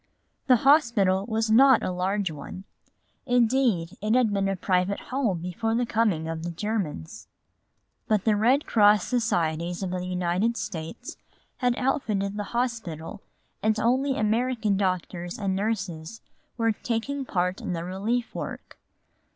The hospital was not a large one; indeed, it had been a private home before the coming of the Germans. But the Red Cross Societies of the United States had outfitted the hospital and only American doctors and nurses were taking part in the relief work.